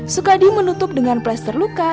sukadi menutup dengan plester luka